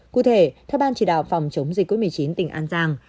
cụ thể theo ban chỉ đạo phòng chống dịch covid một mươi chín tỉnh an giang